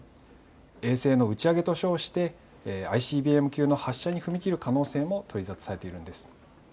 衛星の打ち上げと称してＩＣＢＭ級の発射に踏み切る可能性も取り沙汰されているんです。